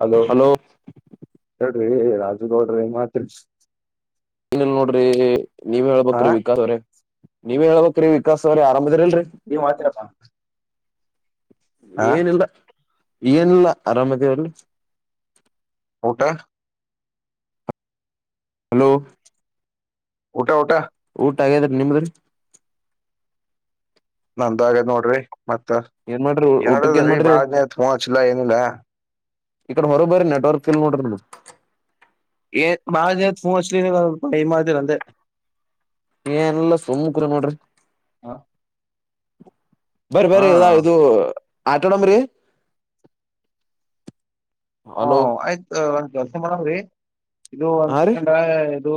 Hello ಹೇಳ್ರಿ ರಾಜುಗೌಡ್ರ ಏನ್ಮಾಡ್ತೀರಿ ನನ್ ನೋಡ್ರಿ ನೀವ ಹಾ ಹೇಳ್ಬೇಕ್ರಿ ವಿಕಾಸ್ ಅವ್ರೇ ನೀವ ಹೇಳ್ಬೇಕ್ರಿ ವಿಕಾಸ್ ಅವ್ರೇ ಅರಾಮಿದೀರಲ್ರಿ ನೀವು ಮಾಡ್ತೀರಪ್ಪ ಏನಿಲ್ಲ ಏನಿಲ್ಲ ಅರಾಮದ ಅವಲ್ಲಿ. ಊಟ. ಹಲೋ. ಊಟಾ ಊಟಾ. ಊಟ ಆಗದ್ರೀ ನಿಮ್ದ್ರೀ. ನಂದ ಆಗೇದ್ ನೋಡ್ರಿ. ಮತ್ತ ಏನ್ ಮಾಡ್ರಿ ಊಟಕ್ ಏನ್ ಏನಡದ್ರೀ ಮಾಡ್ರಿ ಬಾಳನೇ ತಗಚ್ಿಲ್ಲ ಏನಿಲ್ಲ. ಇಕಡೆ ಹೊರಬರಿ ನೆಟ್ವರ್ಕ್ ಕಲೋಮೀಟರ್ ಏನ್ ಮಾ ಪಫೋನ್ಚ್ ಮಾಡತಿರಂದೆ. ಏನಲ್ಲ ಸುಮ್ಮುಖರಿ ನೋಡ್ರಿ. ಹಾ ಬರಿಿ ಬರಿಿ ಇದ ಇದು ಆಟಾಡಮ್ರೀ. ಹ ಆಯ್ತು ಒಂದ್ ಕೆಲಸ ಮಾಡದ್ರಿ ಇದು ಹಾ ರೀ ಒಂದ. ದು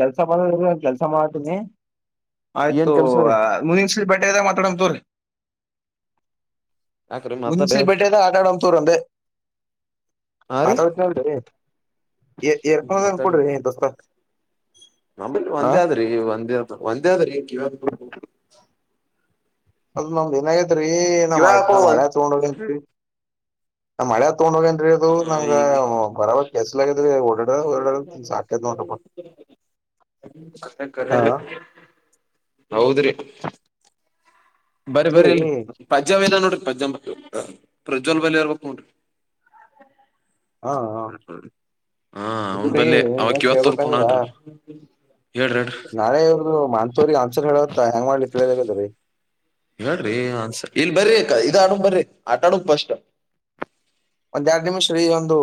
ಕೆಲ್ಸ ಬಂದದ ಕೆಲ್ಸ ಮಾಡತೀನಿ. ಆಯ್ತು ಏನ್ ಕೆಲ್ಸ ರೀ ಮುನಿಂಗ್ ಸಲ್ ಬೇಟೆ ಇದ್ದಾಗ ಮಾತಾಡಂತವ್ರಿ. ಯಾಕ್ರೀ ಮಾತಾಡ್ರಿ ಮುನ್ಸಿಲ್ಪಟ್ಟೆದ ಆಟಾಡಂಂತೂರಂಡ. ಹಾ ರೀ ಆತ ಹೇಳಿ ಎರ್ಕನ್ ಮಾತಾಡ್ರಿ ಕೊಡ್ರಿ [unintelligible] ನಂಬಲ್ಲಿ ಹಾ ಒಂದೇ ಆದ್ರಿ ಒಂದೇ ಒಂದೇ ಆದ್ರಿ. ಒ ನಮ್ದ್ ದಿನಗೇತ್ೀ ನಮ್ಮ್ ಕಿವ್ಯಾಗ ನ್ ಹಾಕೊಳ್ಳೋದು ಹಳೆ ತಗೊಂಡ ಹೋಗನ್ರಿ ನಮ್ಮ ಹಳೇದು. ತಗೊಂಡ ಹೋಗೇಏನ್ರಿ ಅದು ಒಂದ್ ನಂಗ ಈಗ ಬರ ಕೆಸಲಾಗಗದ್ರಿ ಓಡಡ ರ್ಡ ಸಾಕ್ಯದ್ ನೋಡಪ್ಪ. ಹ [unintelligible] ಕರೆ ಹೌದ್ರಿ. ಬರಿ ಇದ್ರೀ ಬರರಿ ಇಲ್ಲಿ ಪಜ್ಜಾಂಬ ಇಲ್ಲ ನೋಡ್ರಿ ಪಜ್ಜಂಬ. ಹ ಪ್ರಜ್ವಲ್ ಬಲರ್ಬೇಕಕ್ಟು. ಹಾ ಅವನ್ ಇ ಬಲ್ಲಿ ಅವಕ್ ಇವತ್ ಏಳ್ಬೇಕಬೇಕಾಯದಾ. ತೋರ್ಕೊಂಡನ್ರಿ ಹೇಳ್ರಿ ಹೇಳ್ರಿ ನಾಳೆ ಇವ್ರರು ಮಾಂತೂರಿಗೆ ಆನ್ಸರ್ ಹೇಳತ್ತ ಹೆಂಗ್ ಮಾಡ್ಲಿ ತಿಳದದೀ. ಹೇಳ್ರಿಸ ಇಲ್ ಬರ ಇದ ಆಡ ಬರ್ರಿ ಆಟ ಹಾಡೋಣ ಫಸ್ಟ್. ಒಂದ್ ಎರಡ್ ನಿಮಿಷ ರೀ ಒಂದು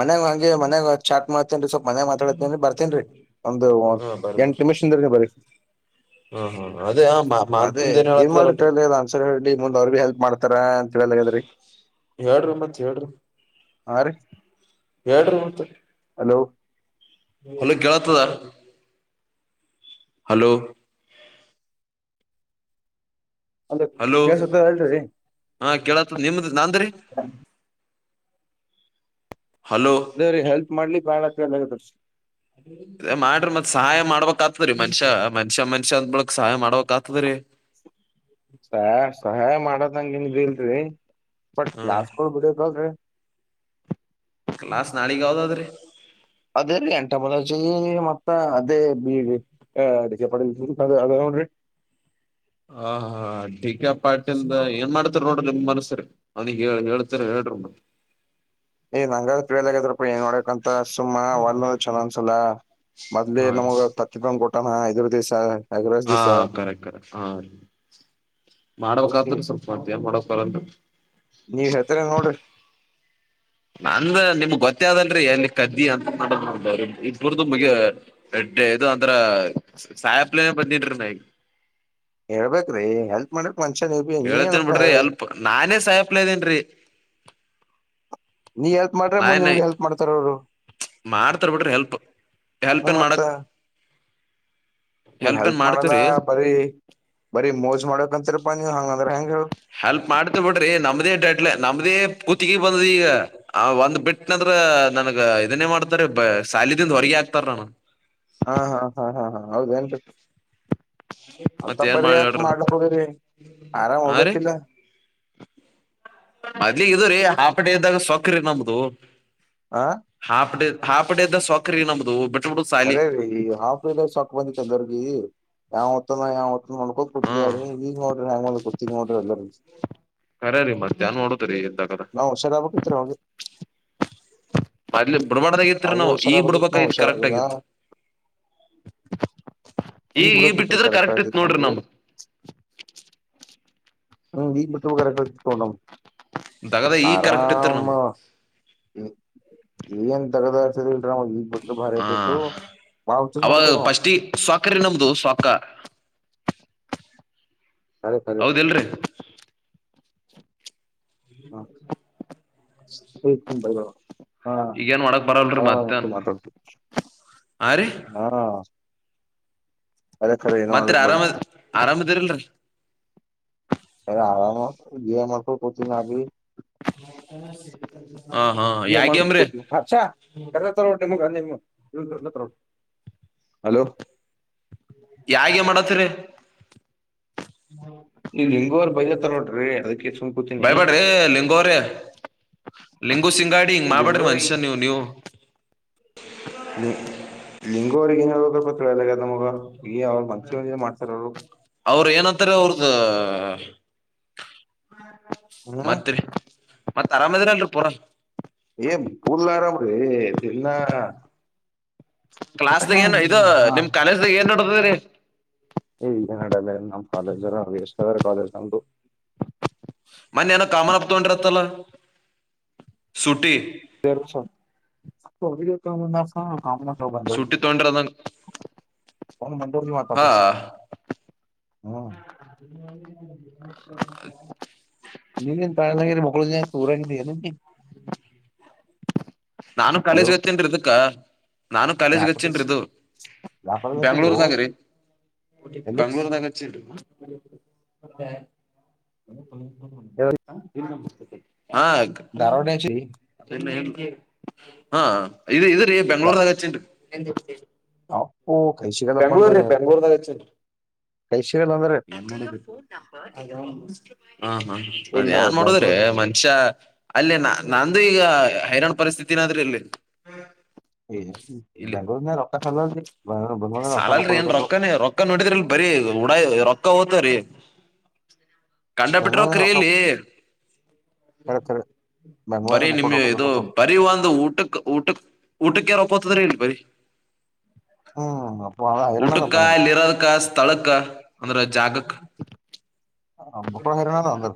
ಮನೆಾಗ ಹಂಗೆ ಮನ್ಯಾಗ ಚಛಟ್ ಮಾಡ. ರ್ತೇನ್ರಿ ಸ್ವಲ್ಪ ಮನೆ ಮಾತಾಡ್ತನ್ರಿ ಬರ್ತೇನ್ೀ ಒಂದು ಹಾ ಬರ್ ಬರ್ ಎಂಟಟ್ ನಿಮಿಷಿಂದ್ರ ನೀ ಬರ. ಹಾ ಹಾ ಅದೇ ಅದೇ ಮಾತಂದ ಏನ್ ಮಾಡ್ರಿ ಹೇಳತ್ತಾರಲ್ರಿ ಹೇಳಲಲ್ಲ ಅನ್ಸರಿ ಹೇಳಿ ಮುಂದೆ ಅವ್ರ ಭಿ ಹೆಲ್ಪ್ ಮಾಡ್ತಾರ ಅಂತ ಹೇಳಲಾಗ. ಸರಿ. ಹೇಳರು ಮತ್ತ ಹೇಳ್ರಿ. ಹಾ ರೀ ಹೆಲ್ಡ್ರಿ ಮತ್ತ್ ಹಲೋ ಇಲ್ಲ ಕೇಳ್ತದ. ಹಲೋ. ಅಲೋ ಹಲೋ ಕೇಳ್ಸತ್ತ ಅಲ್ರಿ ಹಾ ಕೇಳತ್ ನಿಮ್ದ ನಾನ್ಂದ್ರೀ. ಅದೇ ರೀ ಹೆಲ್ಪ್ ಮಾಡ್ಲಿ ಬಾಳ ಚ ಆಗದೀ. ಮಾಡ್ರಿ ಮತ್ ಸಹಾಯ ಮಾಡ್ಬಕ್ ಆತದ್ರೀ ಮನ್ಷ್ಯ ಮನ್ಷ್ಯ ಮನ್ಷ್ಯ ಅಂದ್ ಬಿಳಕ್ ಸಹಾಯ ಮಾಡ್ಬೇಕಕ್ ಆತದ್ರರಿ. [unintelligible] ಸಹಾಯ ಮಾಡದಂಗ ನ್ ಇಲ್ರಿ ಬಟ್ ಹ್ಮ ಕ್ಲಾಸ್ಕಳ್ ಬಿಡಕ್ಲ್್ರಿ. ಕ್ಲಾಸ್ ನಾಳಗ್ ಯಾವದಾದ್ರಿ. ಅದೇ ರೀ ಎಂಟ ಮದಜ ಮತ್ತ ಅದೇ ಅಡಿಕೆ ಪಡೆ ಅ ಅದನ್ರಿ. ಹ [unintelligible] ಹ ಹ ಡಿಕಾ ಪಾಟಿಿಂದ ಏನ್ ಮಾಡ್ತಾರ ನೋಡ್ರಿ ನಿಮ್ ಮನ್ಸ್ರ ಅವನಗ್ ಹೇಳ್ತರ ಹೇಳ. ಹ [unintelligible] ಏ್ ನಂಗ ತಿೇಳದಾಗದ್ರಪ್ಪ ಏನ್ ನೋಡಂತ ಸುಮ್ಮ ವರ್ನ ಚನ ಅನ್ಸಲ್ಲ. ಮೊದ್ಲಿ ಹಾ ರೀ ನಮಗ್ ತತ್ತನ್ ಕೊಟ್ಟಣ ಐದುರು ದೇಶ. ಹಾ ಕರೆಕ್ಟ್ ಕರೆಕಟ್ ಹಾ. ಮಾಡಬೇಕಕ್ ಆತ್ರ ಸ್ವಲ್ಪ ಮಾಡ್ತಯ ಮಾಡನ್. ನೀವ್ ಹೇತರ ನೋಡ್ರಿ. ನಂದ ನಿಮಗ್ ಗೊತ್ತ ಅಲ್ರರಿ ಎಲ್ಲಿ ಕದ್ದಿ ಅಂತ ಮಾಡ ಇರ್ದು ಮುಗ. ಇದು ಅಂದ್ರ ಸಾಯಪ್ಲೇನ ಬದಿದ್ರು ನಗೆ. ಹೇಳ್ಬೇಕೇ್ರೀ ಹೆಲ್ಪ್ ಮಾಡ ಹೇಳ್ತೇನ್ ಬಿಡ್ರಿ ಅಲ್ಪ ನಾನೇ ಸಾಯಪ್ಲ ಇದ್ದೇನ್ರಿ ನೀ ಎಲ್ಪ್ ಮಾಡ್ರೆ ಮುಂದ್ ನಾನೇ ನಿಮ್ಗೆ ಹೆಲ್ಪ್ ಮಾಡ್ತಾರ ಅವ್ರು ಮಾಡ್ತಾರ್ ಬಿಟ್ರಿ ಹೆಲ್ಪ್ ಹ್ಮ ಹೆಲ್ಪ್ ಏನ್ ಮಾಡಕ್ ನೀ ಏನ್ ಹೆಲ್ಪ್ ಮಾಡಲ್ಲ ಮಾಡ್ತೀವ್ರಿ ಬರೀ ಬರೀ ಮೋಜ್ ಮಾಡಕಂತರ ಹೆಲ್ಪ್ ಮಾಡ್ತ ಬಿಡ್ರಿ ನಮ್ದೇ ಡಟ್ಲೆ ನಮ್ದೇ ಕತಿಿಗೆ ಬಂದ ಈಗ ಒಂದ್ ಬಿಟ್ಟನಂದ್ರ ನನಗ ಇದನ್ನೇ ಮಾಡ್ತಾರೆ ಸಾಲ ದಿಂದ ಹೊರಗೆ ಹಾಕ್ತಾರ ನ ಹ ಹಾ ಹಾ ಹಾ ಹಾ ಹಾ ಹೌದು ಎಂಟು ಮತ್ ಏನ್ ಮಂತಪ್ಪರಿ ಮಾಡ್ಲಿ ಯಾಕ ಹೇಳ್ರಿ ನಾ ಮಾಡ ಹೋಗರಿ ಆರಾಮ್ ಹೋಗ್ಬೇಕಿಲ್ಲ ಮದ್ಲಿ ಇದು ರೀ ಹಾಫ್ ಡೇ ಇದ್ದಾಗ ಸೊಕ್ರಿ ನಮ್ದ ಆ ಹಾಫ್ ಡೇ ಹಾಪಡದ್ದ ಸಕ್ರ ನಮ್ದು ಬಿಟ್ಬಿಡುದ್ ಸಾಲಿ ರೇ ರೀ ಈ ಹಾಫ ಡ ಸಾಕ್ ಬಂದಿತ್ತಂದರ್ಗಿ ಯಾವ ್ತನ ಯಾವ ನೋಡ್ಕೋಕ್ ಹ್ಮ್ ಕೊಡ್ತ್ರೀ ಈಗ ನೋ್ರಿ ಹ್ಯಾಂಗ ಮಾಡ ಗೊತ್ತ ನೋಡ್ರಿ ಎಲ್ಲರ ಕರ ರೀ ಮತ್ತ್ಯಾಹ್ ನೋಡ ರ ಎಂತ ಕದ ನಾವ್ ಹುಷಾರಾಗ್ಬೇಕಿತ್ರಿ ಅವಾಗ ಅಲೆ ಬಿಡ್ಬಾಡ್ದಾಗತ್ರಿ ಅವಾಗ ನಾವು ಈಗ್ ಹುಷಾರಾಗ್ಬೇಕಿತ್ ನಾವ್ ಬಿಡ್ಬೈತ್ ಕರೆಕ್ಟ್ ಹುಷಾರಾಗಿಲ್ಲ ಆಗತ್ತು ಈಗ ಈ ಬಿಡಬೇಕಿತ್ರಿ ಬಿಟ್ಟಿದ್ರೆ ಕರೆಕ್ಟ್ ಇತ್ ಆಗ್ತಿತ್ ನೋಡ್ರಿ ನಮ್ದು ನಮ ಹ್ಮ್ ಈ ಬಿಟ್ಟ ಕರ ಕ ತೋೊಂಡು ದಗದ ಈಗ ಕರೆಕ್ಟ್ ಇತ್ರಿ ಆರಾಮ ನಮ್ದು ಏನ್ ತಗದರ್ತದಲ್ರ ನ ಈ ಹ ಅವಾಗ ಮಾಡಿದೇವ್ ನಾವ್ ಫಸ್ಟಿ ಸ್ ಅಕರೆ ನಮ್ದು ಸಾಕಾರ ಖರೆ ಖರೆ ಹೌದ ಎಲ್ರಿ ಹಓ ಸುಪಾಯ ಹಾ ಈಗೇನ್ ಮಾಡಕ್ ಬರಲ್ರಿ ಆರಾಮ ಮತ್ತನ್ ಮಾತ ಆ ರೀ ಹಾ ಅದೇ ಖರೆ ಏನೋ ಮತ್ ಹಳಕ್ ಆರಾಮ ಬಂದು ಆರಾಮದಿರಲ್ರಿ ಎ ಹಾಮ ಗಕ ಪ್ರಚಿ ನಿ ಹ ಹಾ ಮಾಡ ಯಾಗೇಮ್ರೀ ಹಾಾ ಕದ ತ ಒಟೆ ಮ ಅ ಹಲೋ ಯಾಾಗೆ ಮಾಡತ್ರಿ ಈ ಲಿಂಗೋರು ಬೈದ ತರಟ್ರಿ ಅದಕ್ಕೆ ಸುಂಕತೀನಿ ಹ ಬೈಬ್ಯಾಡ್ರಿ ಹು ಸಿಂಗಾಡಿ ಹಿಂಗ್ ಮಾಡ್ಬಡ್ರಿ ಮನುಷ್ಯ ನೀವು ನೀವು ನಿ ಲಂಗುವರ್ಗಂಗ ಕೊತ್ರಳಲ್ಲದ ಮಗ ಈ ಅವ್ರು ಮಂಚಿವ ಮಾಡ್ತಾರ ಅವರು ಹತ್ರರ ಅವ್ದ ಹ್ಮ್ ಮತ್ರಿ ಮತ್ ಅರಾಮದರಲ್ರಿ ಪೂರ ಏನ್ ಪೂರ್ಲ್ಲಾರಾಮ್ರ ಇಲ್ಲ ಕ್ಲಾಸ್್ದಾಗ ಏನ್ ಇದು ನಿಮ್ ಕಾಲೇಜ್ದಾಗ ಏನ್ ನೋಡ್ತರಿ ಏಗ ನಡಲ್ಲ ನಮ್ಮ್ ಕಾಲೇಜ್ ಎರಷ್ಟಾರ ಕಾಲೇಜ್ ಅಂತು ಮನ್ನ ಏನೋ ಕಾಮನ್ಪ್ ತೊಂಡಿರತ್ತಲ್ಲ ಸುಟಿ ಬಸ ಹ ತ ಬಂದ ಸೂಟಿ ತಗೊಂಡಿರದಂಗ ಹ ಮಂಡೂರ ಮಾತ ಹಾ ಆೀ ಹ್ಮ್ ಅದ ನೀ ತ ಮಕ್ಳ ತೂರಾಗಿಲ್ಲ ನಾನು ಕಾಲೇಜ್ಗೆ ಹಚ್ಚನ್ಿದುಕ್ಕ ನಾನು ಕಾಲೇಜ್ಗೆ ಯಾಕ ಹಚ್ಚನ್ಿ ಇದು ವ್ಯಾಪಾರದತಿದ್ದು ಬ್ಯಾಂಗ್ಳೂರುದಾಗ ರ ಎಲ್ಲಿ ಬಂಗ್ಳೂರುದಾಗ ಮತ್ತೆ ಹ ಹ ಹಾ ಇ ಇದ್ರೀ ಬೆಂಗ್ಳೂರ್ದಾಗಚ್ಚನ್ ಹಾ ಬೆಂಗ್ಲೋರ್ ರೀ ಬ ಬೆಂಗ್ಲೋರ್ದಗ ಕೈ ಸಿಗಲ್ಲ ಅಂದ್ರೆ ಫೋನ್ ನಂಬ ಹಾ ಹಾ ಅದ್ ಇಲ್ಲ ಯಏನ್ ಮಾಡದ್ರಿ ಬೆಂಗ್ಳೂರ್ ಮನುಷ್ಯ ಅಲ್ಲೇ ನ ನಂದುು ಈಗ ಹೈರಾಣ್ ಪರಿಸ್ಥಿತಿ ಏನಾದ್ರೂ ಇಲ್ಲಿ ಇಲ್ಲಿ ಬೆಂಗ ನ ರಕ್ತ ಸಲ್ಲ ಸಾಲಲ್ರಿ ಏನ್ ರೊಕ್ಕನೇ ರೊಕ್ಕ ನೋಡಿದ್ರಿಲ್ ಬರಿೀ ರೊಕ್ಕ ಹೋಗ್ತ್ರಿ ಕಂಡ ಬಿಟ್ರೊಕ್ಕ್ರೀ ಇಲ್ಲಿ ರ ರ ಬರೀ ನಿಮ್ ಇದು ಬರೀ ಒಂದು ಊಟಕ್ಕೆ ಊಟ ಊಟಕ್ಕೆರೋ ಪೊತ್ತ ತರ ಹೇಳಪರಿ ಹ್ಮ್ ಅಪ್ಪ ಊಟಕ್ಕ ಹೈರಾಣದಪ್ಪ ನಿಮ್ದು ಇಲ್ಲಿರದಕ್ಕ ಸ್ಥಳಕ್ಕ ಅಂದ್ರ ಜಾಗಕ್ಕ ಬುಕ್ಕೊಂಡು ಹೈರಾಣದ ಅಂದ್ರ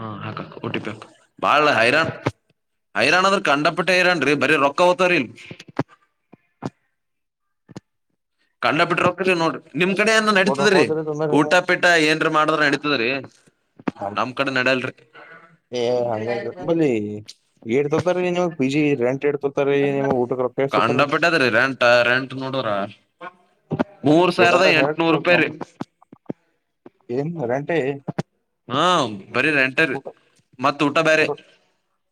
ಹಾ ಹಾಕಕ ಟಿಪಿ ಹಕ ಬಾಳ ಹೈರಾಣನ್ ಹೈರಾಣ ಅಂದ್ರರು ಕಂಡಪಟ್ಟ ಹೈರಾನ್ ರೀ ಬರ ರೊಕ್ಕ ಹೊತ ಅರಿಲ್ಲ ಹ ಕಂಡ ಬಿಟ್ರಕ ನೋ್ರಿ ನಿಮ್ ಕಡೆ ಏನು ಬುಕ್ಕೊಂಡು ರೊಕ್ಕ ನಡತದ್ರರಿ ಹೋದ್ರಿ ಅಂದ್ರ ಊಟ ನಿಮ್ಮ ಪೀಟ ಏನ್ ಮಾಡುದ್ರ ನಡತದ್ರೀ ನಮ್ ಕಡೆ ನಡಲ್ರಿ ಎ ಹಂಗ ಬಲಿ ಏಡ್ತತಾರೀ ನಿಮ್ಗ್ ಬಿಜಿ ರೆಂಟ್ ಡ್ತತೀ ನಿಮ ಊಟ ಕೇಳ್ತೊತಾರೀ ನಡರ ಮೂರು ಸಾವಿರದ ಎಟದ ಎಂಟನೂರು ಹೇಳ್ರಿ ರೂಪಾಯಿ ನಮ್ ರೀ ಏನ್ ರೆಂಟೇ ಹಾ ಬರಿ ಎಂಟೀ ಊಟ ಮತ್ತ ಊಟ ಬೇರೆ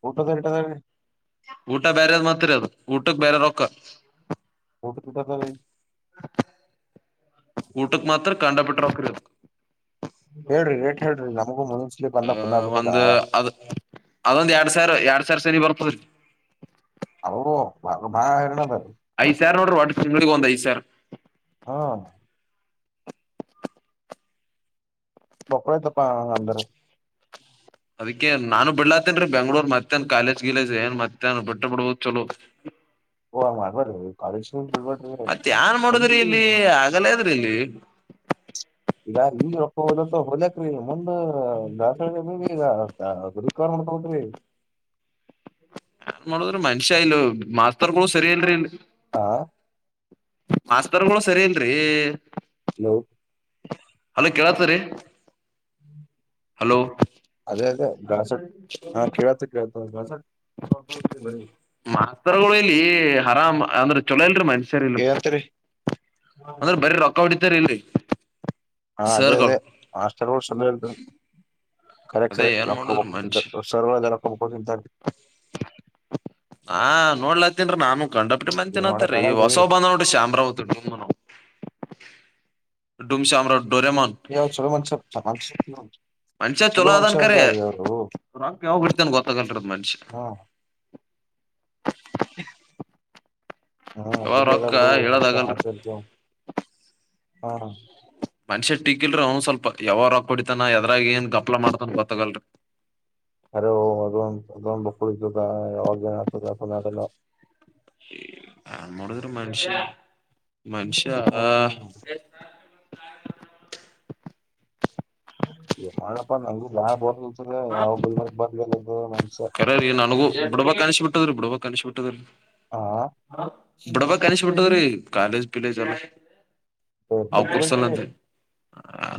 ಊಟ ತಟದನೆ ಊಟ ಬೇರೆದು್ ಮಾತ್ರ ಅದು ಊಟಕ್ ಬೇರೆ ರೊಕ್ಕ ೋಟ ಟ ಸ ಕಊಟಕ್ ಮಾತ್ರ ಕಂಡಪಟ್ಟ ರಕ್ಕರು ಹೇಳ್ರಿ ಏಟ್ ಹೇಳ್ರಿ ನ ಆ ಒಂದು ಅದು ಅದೊಂದ್ ಎರಡ್ ಸಾವಿರ ಎರಡ್ ಸಾವಿರ ಸನ ಬರ್ಪದ್ರಿ ಹ ಬಾಗ ಬಾ ಹರ್ರಣದ ತಿಂಿಗೆಗಂತಐ ಸರ್ ಹಾ ಬಪರೋ ತಪ್ಪ ಅಂದರೆ ಅದಕ್ಕೆ ನಾನು ಬಿಡ್ಲಾತ್ತನ್ರೀ ಬೆಂಗಳೂರ್ ಮತ್ತೇನ್ ಕಾಲೇಜ್ ಗಿಲೇಜ್ ಏನ್ ಮತ್ತೇನ್ ಬಿಟ್ಟ ಬಿಡ್ಬೋದು ಚಲೋ ಬರ ಕಾಲಜ ಮತ್ತ ಯನ್ ಮಾಡುದ್ರಿ ಇಲ್ಲಿ ಆಗಲ ಅದ್ರಿ ಇಲ್ಲಿ ಈಗ ಈಗ ರೊಪ್ಪ ಹೋದತ್ ಹೊಲಕ್ರೀ ಮುಂದ ದಾಸಹಳ್ಳಿಿ ಈಗ ಕಣ ಕೌತ [unintelligible] ಏನ್ ಮಾಡೋದ್ರಿ ಮನುಷ್ಯ ಇಲ್ ಮಾಸ್ತರ್ ಗಳು ಸರಿ ಇಲ್ರರಿ ಇಲ್ಲಿ. ಹಾ ಮಾಸ್ತರ್ಗಳು ಸರಿ ಏನ್ರಿ ಹಲೋ ಹಲೋ ಕೇಳತ್ತರಿೀ ಹಲೋ ಅದೇ ಅದೇ ಗಾಸಟ್ ಹಾ ಕೇಳತ ಕತ ಗಾಸ ಮಾತ್ತರಲಿ ಹರಾಮ ಅಂದ್ರೆ ಚೊಲೋ ಇಲ್ರಿ ಮ ಸರಿ ಇಲ್ಲ ಏನಂತರಿ ಅಂದ್ರೆ ಬರ ರೊಕ್ಕ ಹೊಟ್ಟಿತಾರ ಇಲ್ಲಿ ಹಾ ಅದೇ ಅದೇ ಸರ್ಗಳು ಮಾಸ್ಟರ್ ೋಳ್ಸ್ ಎಂದ ಖರೆ ಅದೇ ಖರೆ ಏನ್ ರೊಕ್ಕಬಕ ಸರ್ವದಾ. ಆ ನೋಡ್ಲತ್ತೀನ್ನ್ರಿ ನಾನು. ಕಂಡಾ ಪಟ್ಟಿ ಮಂದಿ ಏನ್ ಮಾಡಕ್ ತಿನ್ನಾತಾರಿ ಆಗಲ್ರಿ ಹೊಸಾವ ಬಂದವ ನೋಡ್ರಿ ಶಂಬ್ರವ ದಡಿಮಾನ. ಡುಮಶಾಮರಡ. ಹೇ ಅವ ಚೊಲೋ ಮನಷ್ಯಾ. ಮನುಷ್ಯಾ ಚೊಲೋ ಅದಾನ್ ಕರೆ ರಕ್ ಯಾವಾಗ್ ಬಡಿತಾನ್ ಗೊತ್ತಾಗಲ್ರ ದ ಮನುಷ್ಯ. ಹ. ಹ್ ಯಾವಾಗ ಅದುಬಿ ಅದ ರೊಕ್ಕ ಬಿಡು ಹೇಳೋದಾಗಲ್ರಿ ಆತತ ಹಾ. ಮನುಷ್ಯ ಟಿಕಿಲ್ರಿ ಅವನು ಸ್ವಲ್ಪ ಯಾವ ರಕ್ ಹೊಡಿತಾನ ಎದ್ರಾಗ ಏನ್ ಗಪ್ಲ ಮಾಡ್ತಾನ ಗೊತ್ತಾಗಲ್ರರಿ. [unintelligible] ಹಲೋ ಅದೊಂದ್ ಅದೊಂದು ಬುಕ್ ಉಳಿತದ ಯಾವಾಗ ಏನ್ ಆಗ್ತದೆಲ್ಲ. ಯಾನ್ ಮಾಡೋದ್ರಿ ಮನುಷ್ಯ. ಮನಷ್ಯಾ. ಹ್ಮ್ ಏನ್ ಮಾಡ್ಲಪ್ಪ ನಂಗು ಬಾಳ ಬೋರ್ ಅನಸ್ಲ ಯಾವಾಗ ಗುಲ್ಬರ್ ಬರ್ಲೆ. ಕರ ರೀ ನನಗೂ ಬಿಡಬಕ್ ಅನೀಶ್ ಬಿಟ್ಟದ್ರೀ ಬಿಡ್ಬಕ್ ಅನಿಶ ಬಿಟ್ಟದ್ರಿ. ಹಾ ಬಿಡಬಕ್ ಅನೀಶ್ ಬಿಟ್ಟದ್ರಿ ಕಾಲೇಜ್ ಪಿಲೇಜ್ ಎಲ್ಲಾ. ಹು ಬಿಟಬಿಡ್ರಿ.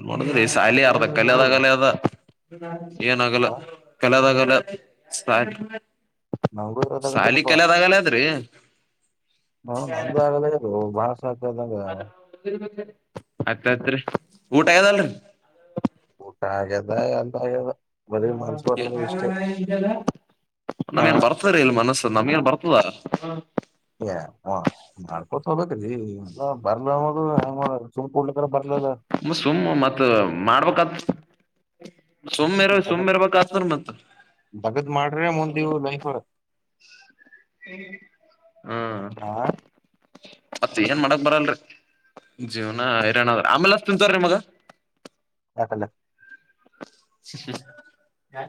ನೋಡದ್ರೀ ಸಾಲಿ ಅರ್ದಾ ಕಲದ ಆಗಲ್ಲಾ ಏನ ಆಗಲ್ಲ ಹಾ ಕಲದ ಆಗಲ್ಲ. ಸಾಲ ನಂಗೂ ಸಾಲಿ ಇರೋದಾಗದಪ್ಪಾ ಕಲದಾಗಲ್ಲ ಅದ್ರಿ. ಹಾ ನಂದು ಆಗಲ್ಲಗದ ಬಾಳಸ. ಅತ್ತತ್ರಿ ಊಟ ಆಗ್ಯದಲ್ಲರಿ. ಊಟ ಆಗ್ಯದ ಎಲ್ಲಾ ಆಗ್ಯದ. ಬರೀ ಮನ್ಸ ಬರ್ಲ ಇಷ್ಟೇ ಇದ. [inaudible] ಹ ನಮಗೆನ್ ಬರ್ತದ ರಿ ಇಲ್ ಮನಸ್ಸ ನಮ್ಗೇನ್ ಬರ್ತದ. ಏ ಓ ಮಾಡ್ಕೊತ ಹೋಗಬೇಕ್ರೀ ಎಲ್ಲ ಬರ್ಲ ಅನೋದು ಹೆಂಗ ಮಾಡುದು. ಮತ್ ಸುಮ್ಮ್ ಮತ್ತ ಮಾಡ್ಬೇಕಾತ್. ಸುಮ್ಮಿರಲ ಸುಮ್ಮ ಇರ್ಬೇಕ ಆತದ ರಿ ಮತ್ರ. ತಗದ್ ಮಾಡ್ರೆ ಮುಂದ ಇವು ಲೈಫ್ ಹ್ಮ್ ಹ ಮತ್ತ ಏನ್ ಮಾಡಕ್ ಬರಲ್ರಿ. ಜೀವ್ನ ಹೈರಾಣ್ರ ಆಮೇಲೆ ಹಚ್ತೇನ್ ತಗೋರಿ ನಿಮಗ. ಯಾಕಲೆ. ಹ್ಮ್ಮ್ ಯಾ.